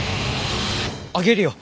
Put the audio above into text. あげるよ。